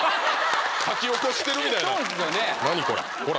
書き起こしてるみたいな「なにコラ！」